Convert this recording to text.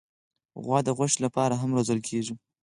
غوا د غوښې لپاره هم روزل کېږي.